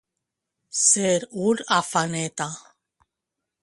Ser un afaneta.